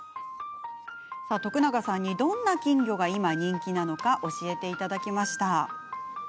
徳永さんにどんな金魚が今、人気なのか教えていただきました。